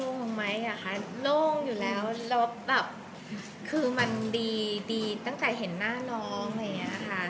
รู้สึกโล่งไม่ขึ้นโล่งอยู่แล้วคือมันดีตั้งใจเห็นหน้าน้อง